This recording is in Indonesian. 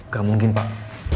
gak mungkin pak